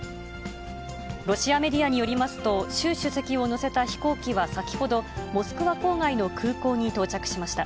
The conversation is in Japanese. ロシアメディアによりますと、習主席を乗せた飛行機は先ほど、モスクワ郊外の空港に到着しました。